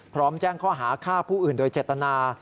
แจ้งข้อหาฆ่าผู้อื่นโดยเจตนา